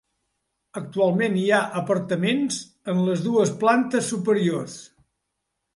Actualment hi ha apartaments en les dues plantes superiors.